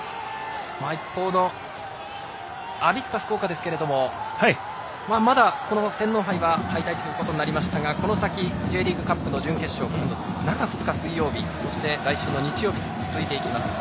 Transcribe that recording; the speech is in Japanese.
一方のアビスパ福岡ですけども天皇杯は敗退となりましたがこの先、Ｊリーグカップの準決勝中２日、水曜日そして来週の日曜日と続いていきます。